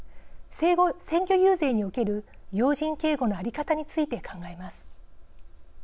選挙遊説における要人警護の在り方について考えます。